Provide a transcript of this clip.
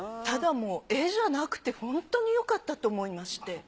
ただもう絵じゃなくて本当によかったと思いまして。